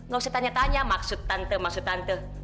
gak usah tanya tanya maksud tante maksud tante